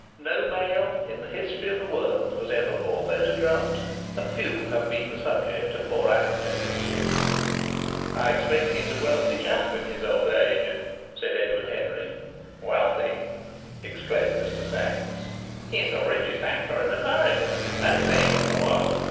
No male in the history of the world was ever more photographed, and few have been the subject of more anecdotes. "I expect he's a wealthy chap in his old age," said Edward Henry. "Wealthy!" exclaimed Mr. Sachs. "He's the richest actor in America, and that's saying in the world.